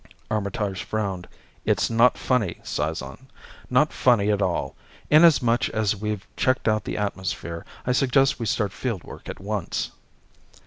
Armitage frowned. "It's not funny, Cizon. Not funny at all. Inasmuch as we've checked out the atmosphere, I suggest we start field work at once."